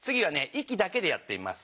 息だけでやってみます。